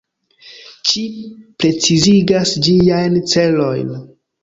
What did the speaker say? Ĝi precizigas ĝiajn celojn.